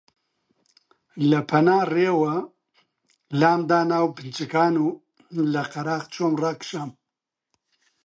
لە پەنا ڕێوە لامدا ناو پنچکان و لە قەراغ چۆم ڕاکشام